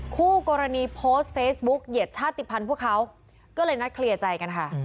คู่กรณีโพสต์เฟซบุ๊กเหยียดชาติภัณฑ์พวกเขาก็เลยนัดเคลียร์ใจกันค่ะ